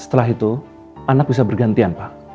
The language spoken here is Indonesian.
setelah itu anak bisa bergantian pak